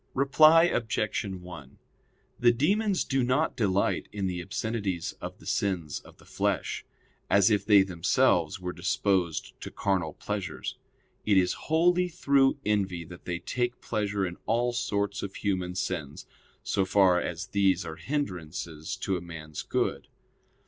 Reply Obj. 1: The demons do not delight in the obscenities of the sins of the flesh, as if they themselves were disposed to carnal pleasures: it is wholly through envy that they take pleasure in all sorts of human sins, so far as these are hindrances to a man's good.